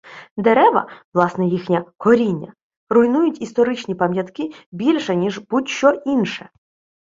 Дерева, власне їхнє коріння, руйнують історичні пам'ятки більше, ніж будь що інше.